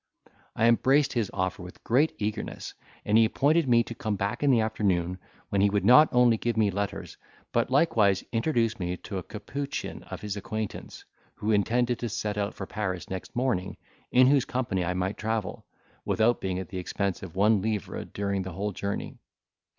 I embraced his offer with great eagerness, and he appointed me to come back in the afternoon, when he would not only give me letters, but likewise introduce me to a capuchin of his acquaintance, who intended to set out for Paris next morning in whose company I might travel, without being at the expense of one livre during the whole journey.